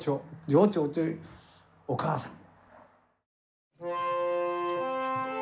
寮長というよりお母さん。